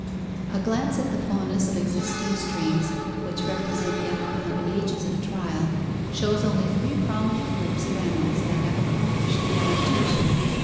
"A glance at the faunas of existing streams, which represent the outcome of ages of trial, shows only three prominent groups of animals that have accomplished the adaptation.